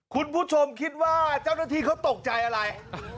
คุณผู้ชมคิดว่าเจ้าหน้าที่เขาตกใจอะไร